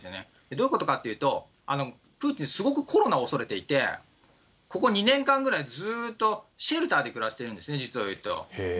どういうことかというと、プーチン、すごくコロナを恐れていて、ここ２年間ぐらいずっとシェルターで暮らしてるんですね、実を言うと。